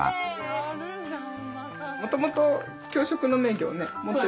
やるじゃん。